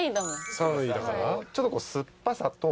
３位だから？